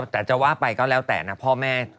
แต่จะว่าไปก็แล้วแต่นะพ่อแม่